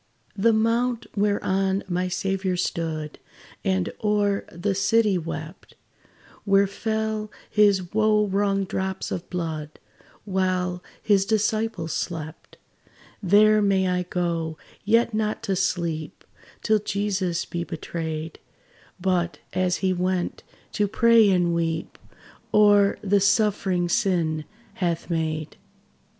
The mount whereon my Saviour stood, And o'er the city wept Where fell his wo wrung drops of blood, While his disciples slept There may I go, yet not to sleep Till Jesus be betrayed; But, as he went, to pray and weep O'er sufferings sin hath made.